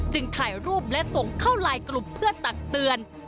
ถ่ายรูปและส่งเข้าไลน์กลุ่มเพื่อตักเตือน